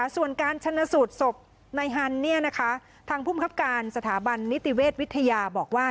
ส่วนการชนะสูตรศพนายฮันทางภูมิครับการสถาบันนิติเวชวิทยาบอกว่า